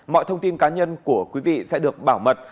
mọi thông tin cá nhân của quý vị sẽ được bảo mật